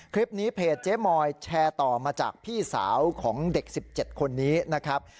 เพจเจ๊มอยแชร์ต่อมาจากพี่สาวของเด็ก๑๗คนนี้นะครับ